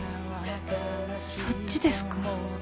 そっちですか？